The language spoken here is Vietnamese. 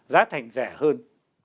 giá thành rẻ hơn